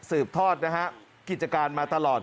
สืบทอดนะฮะกิจการมาตลอด